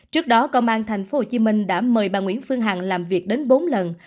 trước đó công an tp hcm đã mời bà nguyễn phương hằng làm việc đến bốn lần